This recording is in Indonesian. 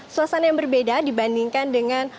suasana yang berbeda dibandingkan dengan